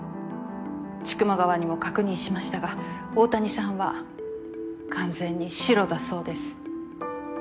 千曲川にも確認しましたが大谷さんは完全にシロだそうです。